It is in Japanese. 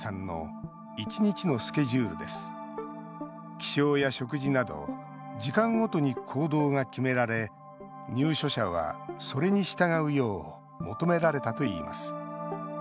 起床や食事など時間ごとに行動が決められ入所者は、それに従うよう求められたといいます。